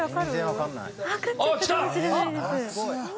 わかっちゃったかもしれないです。